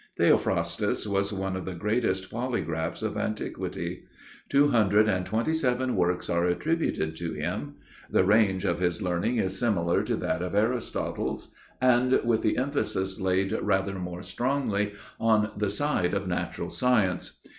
Theophrastus was one of the greatest polygraphs of antiquity. Two hundred and twenty seven works are attributed to him. The range of his learning is similar to that of Aristotle's, with the emphasis laid rather more strongly on the side of natural science.